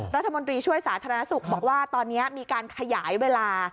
รัฐมนตรีช่วยสาธารณสุขบอกว่าตอนนี้มีการขยายเวลา